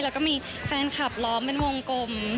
แล้วก็มีแฟนคลับล้อมเป็นวงกลม